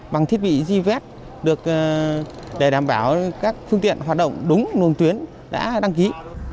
bằng thiết bị gvet để đảm bảo các phương tiện hoạt động đúng nguồn tuyến đã đăng ký